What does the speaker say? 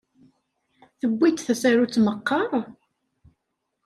Tewwi-d tasarut meqqar?